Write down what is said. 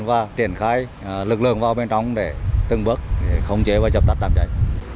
và triển khai lực lượng vào bên trong để từng bước không chế và chập tắt đam cháy